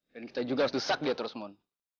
dan kita juga harus desak dia terus mon